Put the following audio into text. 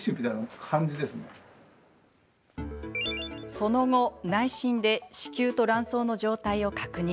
その後、内診で子宮と卵巣の状態を確認。